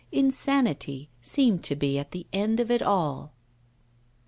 Insanity seemed to be at the end of it all.